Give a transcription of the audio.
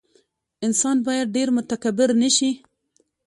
انسان باید ډېر متکبر نه شي.